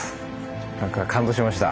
なんか感動しました。